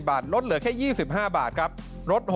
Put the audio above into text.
โทษภาพชาวนี้ก็จะได้ราคาใหม่